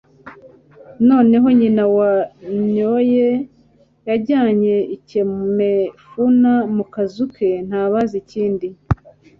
noneho nyina wa nwoye yajyanye ikemefuna mu kazu ke ntabaza ikindi